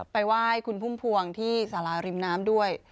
ไปไหว้คุณพุ่มพวงที่สาราริมน้ำด้วย